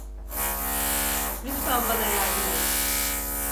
Lütfen bana yardım et!